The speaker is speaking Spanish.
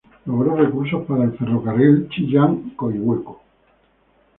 Logró recursos para el ferrocarril de Chillán a Coihueco.